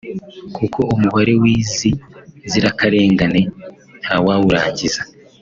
kuko umubare w’izi nzirakarengane ntawawurangiza